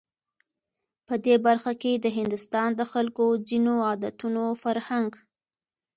په دې برخه کې د هندوستان د خلکو ځینو عادتونو، فرهنک